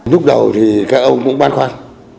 lúc đầu thì các ông cũng bán khoản